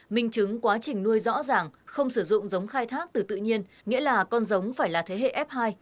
minh chứng quá trình nuôi rõ ràng không sử dụng giống khai thác từ tự nhiên nghĩa là con giống phải là thế hệ f hai